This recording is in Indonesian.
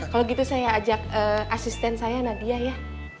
kalau gitu saya ajak asisten saya nadia ya